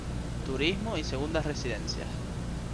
Turismo y segundas residencias.